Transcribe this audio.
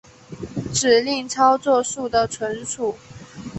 指令操作数的存储